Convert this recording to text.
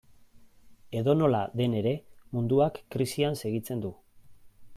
Edonola den ere, munduak krisian segitzen du.